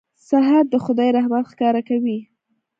سهار د خدای رحمت ښکاره کوي.